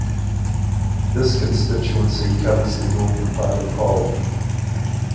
This constituency covers the northern part of Hull.